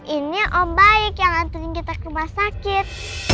ini om baik yang ngantuin kita ke rumah sakit